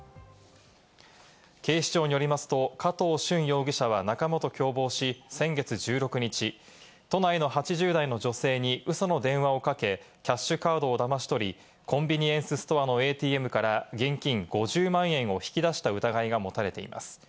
警視庁によりますと、加藤駿容疑者は仲間と共謀し、先月１６日、都内の８０代の女性にうその電話をかけ、キャッシュカードをだまし取り、コンビニエンスストアのＡＴＭから現金５０万円を引き出した疑いが持たれています。